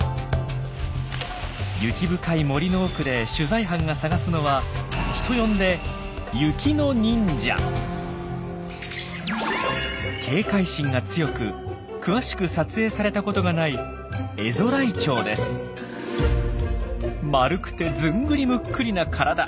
雪深い森の奥で取材班が探すのは人呼んで警戒心が強く詳しく撮影されたことがない丸くてずんぐりむっくりな体。